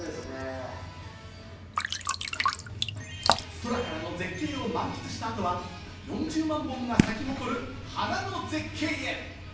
空からの絶景を満喫した後は、４０万本が咲き誇る花の絶景へ。